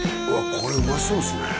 これうまそうですね